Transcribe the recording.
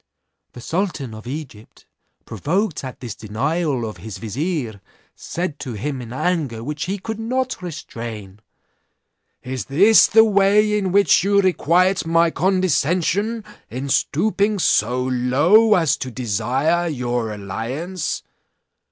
"The sultan of Egypt, provoked at this denial of his vizier said to him in anger which he could not restrain: 'Is this the way in which you requite my condescension in stooping so low as to desire your alliance?